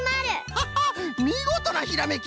ハハッみごとなひらめき。